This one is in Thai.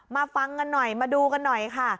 ฟังกันหน่อยมาดูกันหน่อยค่ะ